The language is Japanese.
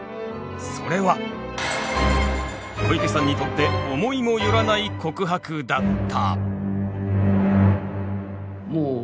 それは小池さんにとって思いもよらない告白だった。